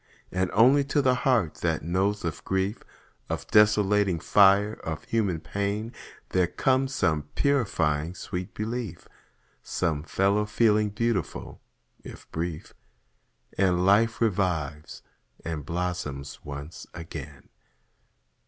And only to the heart that knows of grief, Of desolating fire, of human pain, There comes some purifying sweet belief, Some fellow feeling beautiful, if brief. And life revives, and blossoms once again.